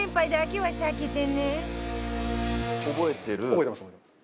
覚えてます覚えてます。